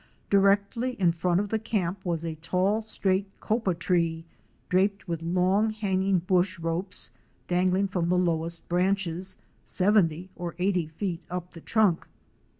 Directly in front of the camp was a tall, straight Copa tree draped with long hanging bush ropes dangling from the lowest branches, seventy or eighty feet up the trunk.